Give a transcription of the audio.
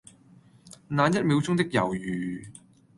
那一秒鐘的猶豫